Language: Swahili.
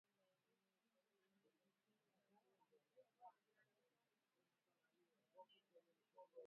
Tezi kuvimba hasa nyuma ya mashavu taya na chini na shingoni